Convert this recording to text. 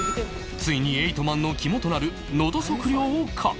ついにエイト・マンの肝となるのど測量を書く